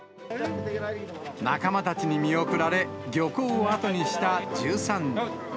仲間たちに見送られ、漁港を後にした１３人。